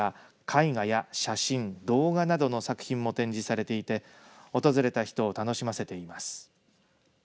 このほか絵画や写真動画などの作品も展示されていて訪れた人を楽しませています。